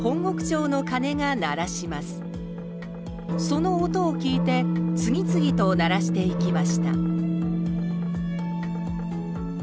その音を聞いて次々と鳴らしていきました